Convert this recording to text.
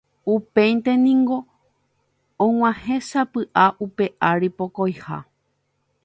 Upéinte niko oguahẽsapy'a upe ary pokõiha